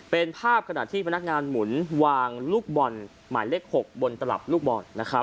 เป็นภาพขณะที่พนักงานหมุนวางลูกบอลหมายเลข๖บนตลับลูกบอล